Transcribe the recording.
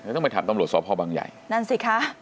ต้องไปถามตรรวจสอบพ่อบางไย